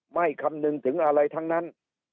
คำนึงถึงอะไรทั้งนั้น